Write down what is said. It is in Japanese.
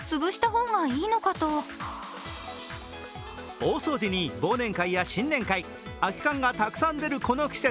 大掃除に忘年会や新年会、空き缶がたくさん出るこの季節。